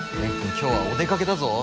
今日はお出かけだぞ。